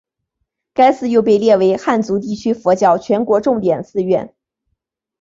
该寺又被列为汉族地区佛教全国重点寺院。